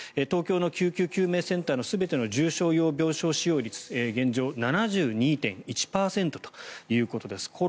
東京の救急救命センターの全ての重症用病床使用率現状７２．１％ということです。